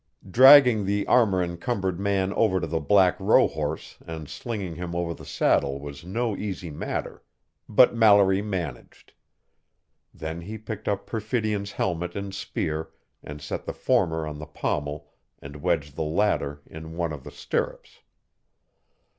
Dragging the armor encumbered man over to the black rohorse and slinging him over the saddle was no easy matter, but Mallory managed; then he picked up Perfidion's helmet and spear and set the former on the pommel and wedged the latter in one of the stirrups.